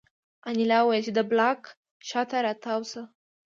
انیلا وویل چې د بلاک شا ته را تاو شه